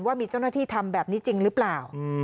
ว่ามีเจ้าหน้าที่ทำแบบนี้จริงหรือเปล่า